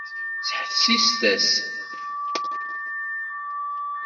Ttḥessiset-as!